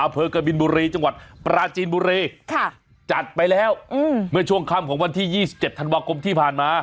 อกบินบุรีจังหวัดปราจีนบุรีจัดไปแล้วเมื่อช่วงค่ำของวันที่๒๗ธันวาคมที่ผ่านมา